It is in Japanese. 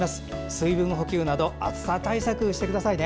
水分補給など暑さ対策してくださいね。